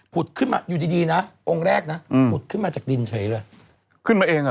ผุดขึ้นมาอยู่ดีนะองค์แรกนะผุดขึ้นมาจากดินใช่หรือเปล่า